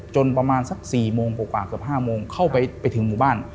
จนประมาณสัก๔๕โมงเข้าไปถึงหมู่บ้าน